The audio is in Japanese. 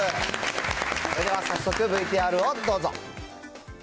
それでは早速ＶＴＲをどうぞ。